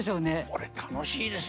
これ楽しいですよね。